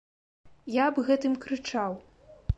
Я аб гэтым крычаў.